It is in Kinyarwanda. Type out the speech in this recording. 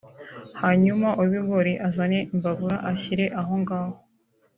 hanyuma uw’ibigori azane Imbabura ashyire aho ngaho